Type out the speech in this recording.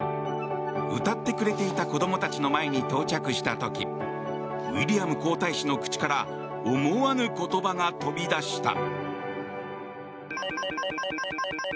歌ってくれていた子供たちの前に到着した時ウィリアム皇太子の口から思わぬ言葉が飛び出した。